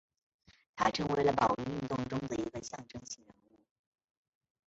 他成为了保育运动中的一个象征性人物。